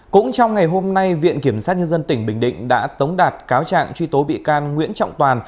cũng trong ngày hôm nay viện kiểm sát nhân dân tỉnh bình định đã tống đạt cáo trạng truy tố bị can nguyễn trọng toàn